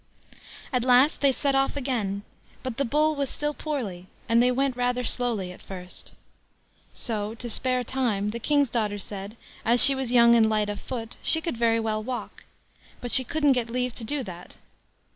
At last they set off again, but the Bull was still poorly, and they went rather slowly at first. So, to spare time, the King's daughter said, as she was young and light of foot, she could very well walk, but she couldn't get leave to do that.